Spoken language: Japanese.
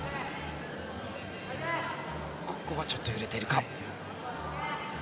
ここはちょっと揺れているか。